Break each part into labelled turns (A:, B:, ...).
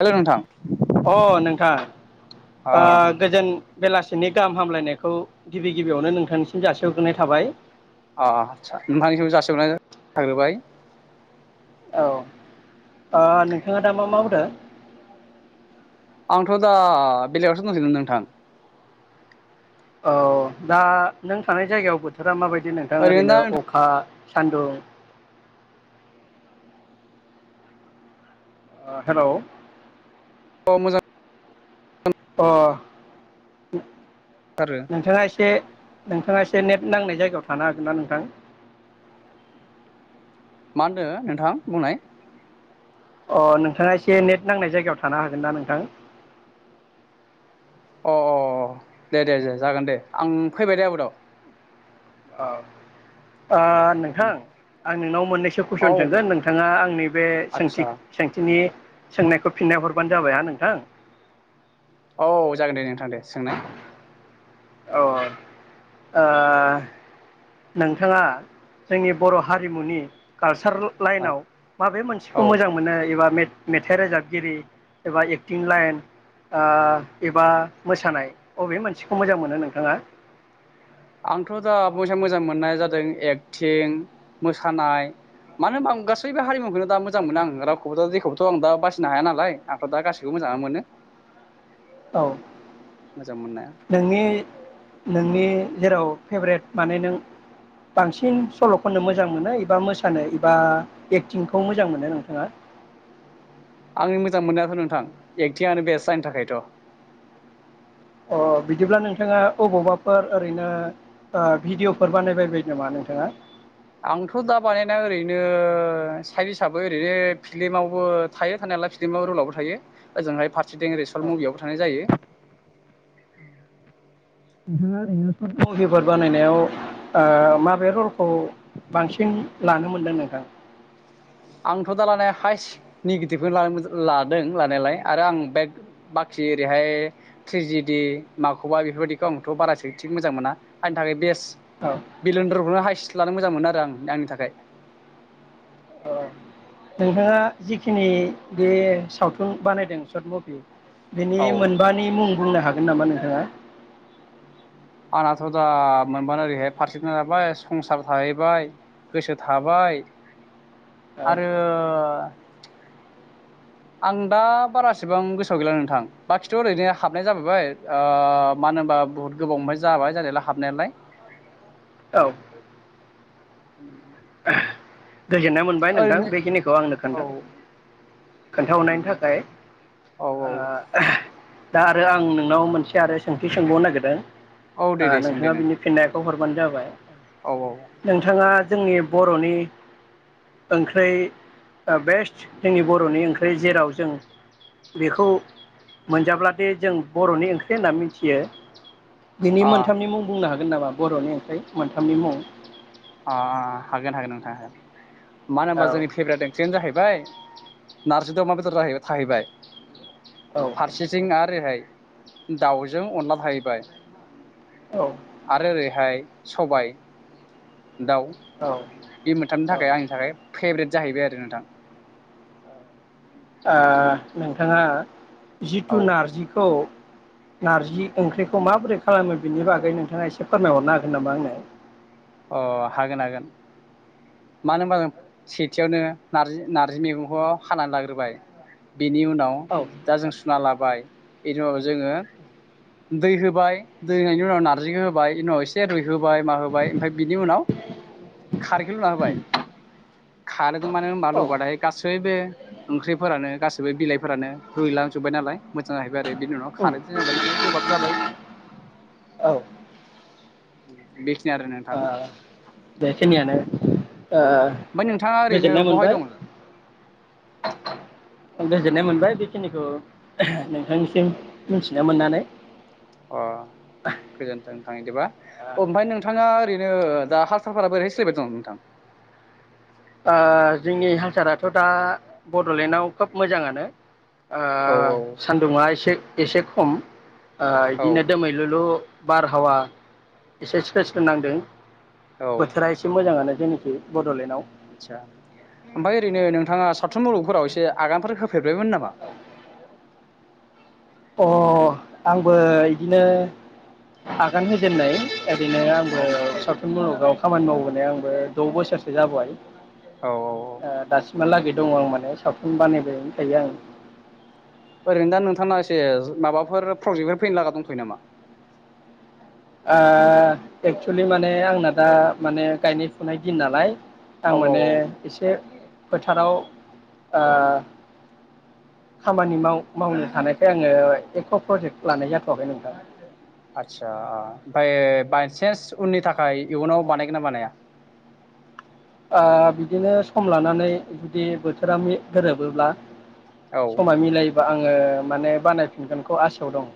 A: Hello नोंथां।
B: अ नोंथां
A: अ
B: ओ गोजोन बेलासि नि गाहाम हामलायनायखौ गिबि गिबियावनो नोंथांनिसिम जासिहग्रोनाय थाबाय।
A: अ अ आतसा नोंथांनिसिमबो जासिहरनाय थाग्रोबाय।
B: औ ओ नोंथाङा दा मा मावदो?
A: आंथ दा बेलेगयावसो दसै नोंथां।
B: औ दा नों थानाय जायगायाव बोथोरा माबाय दि नोंथां ओरैनो
A: दा नोंथां
B: अखा सान्दुं ओ हेलौ
A: अ मोजां
B: अ
A: आरो
B: नोंथाङा एसे नोंथाङा एसे नेट नांनाय जायगायाव थानो हागोन ना नोंथां?
A: मा होनदों नोंथां बुंनाय
B: अ नोंथाङा एसे नेट नांनाय जायगायाव थानो हागोन ना नोंथां?
A: अ अ दे दे दे जागोन दे आं फैबाय दे आबादाव।
B: औ। ओ नोंथां आं नोंनाव मोननैसो
A: औ
B: कुइसन सोंगोन नोंथाङा आंनि बे सोंथि
A: आदसा
B: सोंथिनि सोंनायखौ फिननाय हरबानो जाबाय हा नोंथां
A: औ जागोन दे नोंथां दे सोंनाय
B: औ ओ नोंथाङा जोंनि बर हारिमुनि काल सार लाइनाव माबे मोनसेखौ
A: औ
B: मोजां मोनो एबा मे मेथाइ रोजाबगिरि एबा एक्टिं लाइन ओ एबा मोसानाय बबे मोनानसिखौ मोजां मोनो नोंथाङा?
A: आंथ' दा मोजां मोजां मोननाय जादों एक्टिं मोसानाय मानो होनबा आं गासैबो हारिमुखौनो दा मोजां मोनो आं रावखौबो दा जेखौबोथ' आं दा बासिनो हाया नालाय आंथ' दा गासैखौबो मोजाङानो मोनो।
B: औ
A: मोजां मोननाया
B: नोंनि नोंनि जेराव फेभरेट माने नों बांसिन सल खननो मोजां मोनो एबा मोसानो एबा एक्टिंखौ मोजां मोनो नोंथाङा?
A: आंनि मोजां मोननायाथ नोंथां एकटिंनो बेस्ट आंनि थाखायथ'
B: अ बिदिब्ला नोंथाङा अबावबाफोर ओरैनो ओ भिडिअफोर बानायबाय बाय नामा नोंथाङा?
A: आंथ' दा बानायनाया ओरैनो साइड हिसाबै ओरैनो फिल्मावबो थायो थानायालाय फिल्मावबो रुलावबो थायो ओजोंहाय फार सेथिं ओरै
B: औ
A: सर्थ मुभियावबो थानाय जायो।
B: नोंथाङा ओरैनो सर्थ मुभिफोर बानायनायाव ओ माबे रलखौ बांसिन लानो मोनदों नोंथां?
A: आंथ' दा लानाया हाइस्ट निगेटिभखौ लानो मोनदो लादों लानायालाय आरो आं बे बाखि ओरैहाय थ्रिजिडि माखौबा बेफोरबायदिखौ आंथ बारासो थिग मोजां मोना आंनि थाखाय बेस्ट ।
B: औ
A: बिलनद्रआनो हायस्थ लानो मोजां मोनो आरो आं आंनि थाखाय ।
B: अ नोंथाङा जिखिनि बे सावथुन बानायदों सर्ट मुभि
A: औ
B: बिनि मोनबानि मुं बुंनो हागोन नामा नोंथाङा?
A: आंनाथ' दा मोनबानो ओरैहाय फारसेथि जाबाय संसार थाहैबाय, गोसो थाबाय
B: औ
A: आरो आं दा बारासिबां गोसोआव गैला नोंथां बाखिथ ओरैनो हाबनाय जाबायबाय ओ मानो होनबा बुहुत गोबावनिफ्राय जाबाय जानायालाय हाबनायालाय।
B: औ
A: उ [unintelligible]
B: गोजोननाय मोनबाय नोंथां बेखिनिखौ आंनो
A: औ
B: खोन्था खोन्थाहरनायनि थाखाय
A: औ
B: दा आरो आं नोंनाव मोनसे आरो सोंथि सोंबावनो नागिरदों।
A: औ दे दे सों दे
B: नोंथाङा
A: नोंथां
B: बिनि फिननायखौ हर बानो जाबाय
A: औ औ
B: नोंथाङा जोंनि बरनि ओंख्रै बेस्ट जोंनि बरनि ओंख्रि जेराव जों बेखौ मोनजाब्लाथाय जों बरनि ओंख्रि होनना मिथियो बिनि
A: अ
B: मोनथामनि मुं बुंनो हागोन हागोन नामा बरनि ओंख्रि मोनथामनि मुं?
A: अ हागोन हागोन नोंथां हागोन। मानो होनबा
B: औ
A: जोंनि फेभ्रेट ओंख्रियानो जाहैबाय नारजि अमा बेदर थाहैबाय
B: औ
A: फारसेथिं आरोहाय दाउजों अनला थाहैबाय
B: औ
A: आरो ओरैहाय सबाय दाउ
B: औ
A: बे मोनथामनो थाखाय आंनि थाखाय फेब्रेट जाहैबाय आरो नोंथां
B: नोंथाङा
A: औ
B: जिथु नारजिखौ नारजि ओंख्रिखौ माबोरै खालामो बिनि बागै नोंथाङा एसे फोरमायहरनो हागोन नामा आंनो
A: अ हागोन हागोन मानो होनबा जों सेथियावनो नारजि नार्जि मैगंखौ हानानै लाग्रोबाय बेनि उनाव
B: औ
A: दा जों सुना लाबाय बेनि उनाव जोङो दै होबाय दै होनायनि उनाव नारजिखौ होबाय बेनि उनाव एसे रुइ होबाय मा होबाय ओमफ्राय बिनि उनाव खारैख लुना होबाय खारोदों मानो होनबा
B: औ
A: लुबाथायाय गासैबो ओंख्रिफोरानो गासै बिलाय फोरानो रुइलांजोबबाय नालाय मोजां जाहैबाय आरो बेनि उनाव
B: उम
A: खारै जाबाय नालाय गोबाब जाबाय
B: औ ओ
A: बेखिनि आरो नोंथां
B: आ बेखनियानो
A: औ ओमबाय नोंथाङा ओरैनो बहाय दंङ दा?
B: गोजोननाय मोनबाय बेखिनिखौ नोंथांनिसिम मिथिनो मोननानै।
A: अ गोजोन्थों [unintelligible] अ ओमफाय नोंथाङा ओरैनो दा हारसाालफोरा बोरै सोलिबाय दं नोंथां?
B: आ जोंनि हालसाराथ दा बडलेण्डआव खोब मोजाङानो। ओ
A: औ
B: सान्दुङा एसे एसे खम ओ
A: औ
B: इदिनो दोमैलुलु बारहावा एसे स्रो स्रो नांदों।
A: औ
B: बोथोरा एसे मोजाङानो जोंनिखि बडलेण्डआव
A: [unintelligible] ओमफाय ओरैनो नोंथाङा सावथुन मुलगफोराव एसे आगानफोर हो फेरबायमोन नामा?
B: अ आंबो इदिनो आगान होजेननाय। ओरैनो
A: औ
B: आंबो साव थुन मुलुगाव खामानि मावबोनाया आंबो द' बोसोरसो जाबोबाय।
A: औ
B: ओ दासिमहालागै दङ आं माने सावथुन बानायबाय
A: ओरैनो दा नोंथांना एसे माबाफोर प्र'जेक्टफोर फैनो लागा दंथ'यो नामा?
B: ओ एक्सुलि माने आंना दा माने गायनाय फुनाय दिन नालाय आं
A: औ औ
B: माने
A: औ
B: एसे फोथाराव ओ खामानि माव-मावनो थानायखाय आङो एख प्र'जेक्ट लानाय जाथ'वाखै नोंथां।
A: आतसा ओ ओमफाय बायसेन्स उननि थाखाय इयुनाव बानायगोनना बानाया?
B: ओ बिदिनो सम लानानै जुदि बोथोरा मि गोरोबोब्ला
A: औ
B: समा मिलायोबा आं ओ माने बानायफिनगोनखौ आासायाव दं।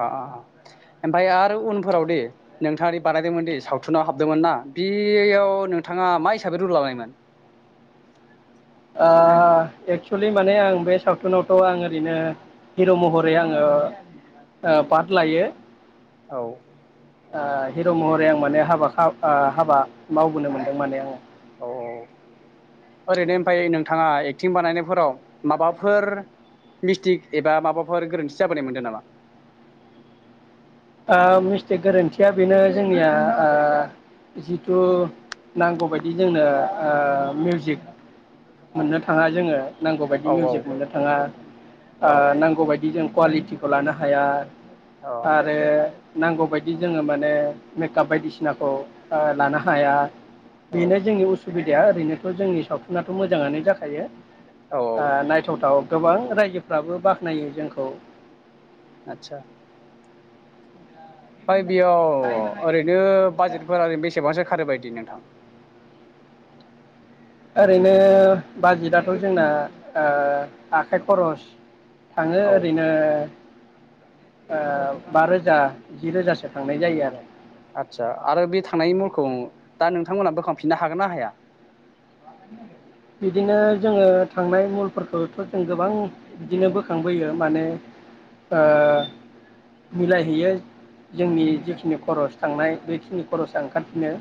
A: अ अ अ ओम फाय आरो उनफोराव दि नोंथाङादि बानायदोंमोन दि सावथुनाव हाबदोंमोन ना बियाव नोंथाङा मा हिसाबै रुल लानायमोन?
B: ओ एक्सुलि माने आं बे सावथुनावथ' आं ओरैनो हिर' महरै आङो ओ पार्ट लायो।
A: औ
B: ओ हिर' महरै आं माने हाबा खा ओ हाबा मावबोनो मोनदों माने आङो।
A: औ औ औ ओरैनो ओमफाय नोंथाङा एकटिं बानायनायफोराव माबाफोर मिसटिक एबा माबाफोर गोरोन्थि जाबोनाय मोनदों नामा?
B: आ मिसटिक गोरोन्थिया बेनो जोंनिया ओ जिथु नांगौबायायदि जोंनो ओ मिउजिक मोननो थाङा जोङो नांगौ बायदि
A: औ
B: मिउजिक मोननो थाङा आ
A: औ
B: नांगौ बायदि जों कुवालिटिखौ लानो हाया
A: औ
B: नांगौ बायदि जोङो माने मेकआप बायदिसिनाखौ लानो हाया
A: औ
B: बेनो जोंनि उसुबिद या ओरैनोथ' जोंनि सावथुनाथ' मोजाङानो जाखायो।
A: औ
B: आ नाय थाव थाव गोबां रायजोफ्राबो बाख्नायो जोंखौ
A: आतसा ओमफाय बेयाव ओरैनो बाजेटफोरा ओरैनो बेसेबांसो खारो बायदि नों [inaudible]
B: ओरैनो बाजेटआथ' जोंना ओ आखाइ खरस थाङो
A: औ
B: ओरैनो ओ बा रोजा जि रोजासो खांनाय जायो आरो।
A: आदसा आरो बे थांनायनि महरखौ दा नोंथांमोनहा बोखांफिननो हागोन ना हाया?
B: बिदिनो जोङो थांनाय मुलफोरखौथ जों गोबां बिदिनो बोखांबोयो माने ओ मिलायहैयो जोंनि जिखिनि खरस' थांनाय बेखिनि खरसाआ ओंखारफिनो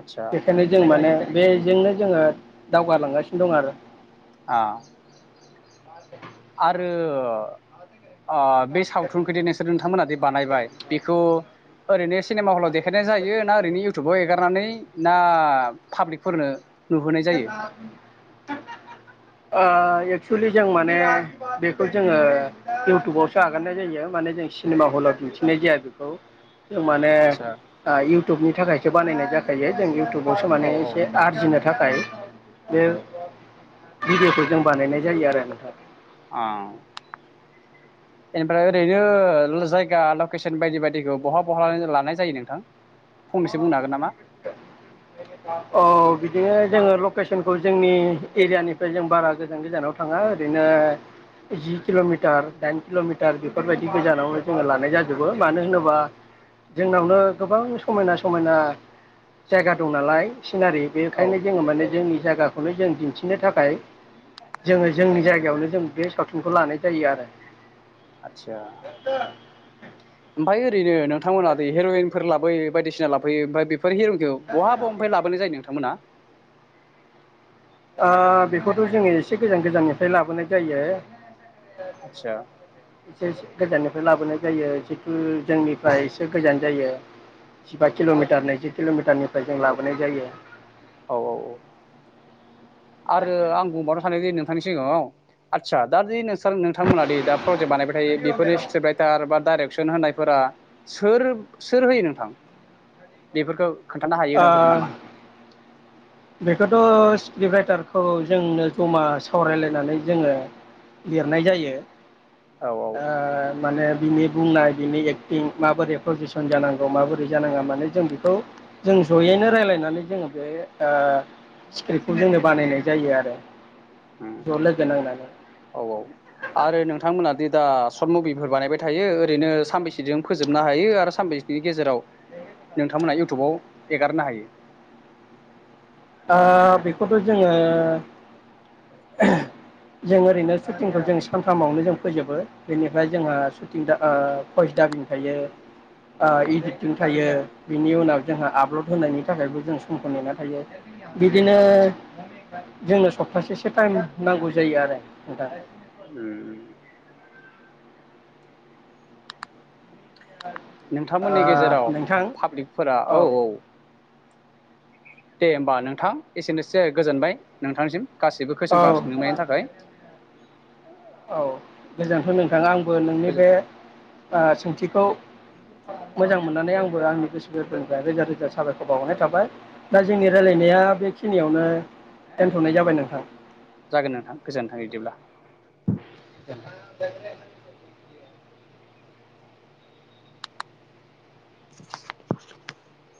A: आदसा
B: बेखायनो जों माने बेजोंनो जोङो दावगालांगासिनो दं आरो
A: आ
B: [unintelligible]
A: आरो आ बे सावथुनखौदि नोंसोर नोंथांमोना दि बानायबाय बेखौ ओरै सिनेमा हलाव दे खायनाय जायो ना ओरैनो इउ टुबाव एगारनानै ना पाब्लिकफोरनो नुहोनाय जायो
B: [unintelligible] आ एक्सुवेलि जों माने बेखौ जोङो इउटुबावसो आगारनाय जायो माने जों सिनेमा हलाव दिन्थिनाय जाया बेखौ माने इउ
A: आदसा
B: इउटुबनि थाखायसो बानायनाय जाखायो जों इउटुब बावसो
A: औ
B: मानेसे आरजिनो थाखाय बे भिडिवखौ जों बानायनाय जायो आरो नोंथां
A: अ एनिफ्राय ओरैनो जायगा लकेसन बायदि बायदिखौ बहा बहा लानाय जायो नोंथां? फंनैसो बुंनो हागोन नामा
B: औ बि बेयो जोङो लकेसनखौ जोंनि एरियानिफ्राय जों बारा गोजान गोजानाव थाङा ओरैनो जि किलमिटार दाइन किलमिटार बेफोरबायदि गोजानावनो जोङो लानाय जाजोबो मानो होनोबा जोंनावनो गोबां समायना समायना जायगा दं नालाय सिनारि
A: औ
B: बेखायनो जोंङो माने जोंनि जागाखौनो जों दिन्थिनो थाखाय जोंङो जोंनि जायगायावनो जों बे सावथुनखौ लानाय जायो आरो
A: आदसा ओफायो ओरैनो नोंथांमोनादि हिरइनफोर लाबोयो बायदिसिना लाफैयो ओमफाय हिरइनखो बहा बहानिफ्राय लाबोनाय जायो नोंथांमोना?
B: ओ बेखौथ‌' जोंङो एसे गोजान गोजाननिफ्राय लाबोनाय जायो
A: आदसा
B: एसेसो गोजाननिफ्राय लाबोनाय जायो जितु जोंनिफ्राय एसे गोजान जायो जिबा किलमिटार नैजि किलमिटारनि फाय
A: औ
B: लाबोनाय जायो
A: औ औ औ आरो आं बुंबावनो हानायदि नों थांनि सिगाङाव आदसा दा दि नोंथांमोना दि दा प्रजेक्ट बानायबाय थायो बेफोरो स्क्रिप्ट राइटार बा डाइरेक्सन होनायफोरा सोर सोर होयो नोंथां बेफोरखौ खोन्थानो
B: ओ
A: हायो [unintelligible] नामा
B: बेखौथ' स्क्रिप राइटारखौ जोंनो जमा सावरायलायनानै जोंङो लिरनाय जायो
A: औ
B: ओ माने बिनि बुंनाय बिनि एक्टिं माबोरै प्रजिसन जानांगौ माबोरै जानाङा मने जों बेखौ जों जयैनो रायलायनानै जोंङो बे ओ स्क्रिप्ट खौ जोंङो बानायनाय जायो आरो
A: हम
B: ज' लोगो नांनानै
A: औ औ आरो नोंथांमोना दि दा शर्ट मुभिफोर बानायबाय थायो ओरैनो सानबैसेजों फोजोबनो हायो आरो सानबेैसेनि गेजेराव नोंथांमोनहा इउटुबाव एगारनो हायो
B: ओ बेखौथ जोंङो ओरैनो सुटिंखौ जों सानथामावनो जों फोजोबो बेनिफ्राय जोंहा सुटिं दा ओ भयस दाबिं थायो ओ इडिटिं थायो बिनि उनाव जोंहा आपलड होनायनि थाखायबो जों समखौ नेना थायो बिदिनो जोंनो सप्तासेसो टाइम नांगौ जायो आरो दा
A: उम नोंथांमोननि गेजेराव
B: नोंथां
A: पाब्लिकफोरा
B: ओ
A: औ औ दे होमबा नोंथां एसेनोसै गोजोनबाय नोंथांनिसिम गासैबो
B: नोंथां औ
A: कुइसनखौ आ सोंजुबनायनि थाखाय
B: औ गोजोनथों नोंथाङा आं बो नोंनि बे सोंथिखौ मोजां मोननानै आंबो आंनि गोसो गोरबोनिफ्राय रोजा रोजा साबायखर बावरनाय थाबाय दा जोंनि रायजलायनाया बेखिनियावनो दोनथनाय जाबाय नोंथां।
A: जागोन नोंथां गोजोनथों बिदिब्ला।
B: [unintelligible]
A: [inaudible]